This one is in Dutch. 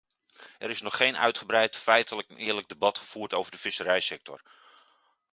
Er is nog geen uitgebreid, feitelijk en eerlijk debat gevoerd over de visserijsector.